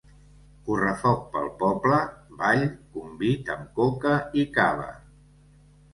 Correfoc pel poble, ball, convit amb coca i cava.